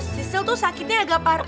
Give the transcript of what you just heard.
sisal tuh sakitnya agak parah